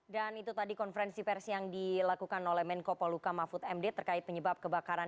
dan itu tadi konferensi versi yang dilakukan oleh menko poluka mafud md terkait penyebab kebakaran